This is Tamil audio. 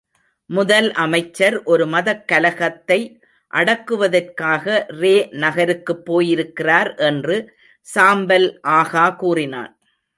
முதல் அமைச்சர், ஒரு மதக் கலகத்தை அடக்குவதற்காக ரே நகருக்குப் போயிருக்கிறார் என்று சாம்பல் ஆகா கூறினான்.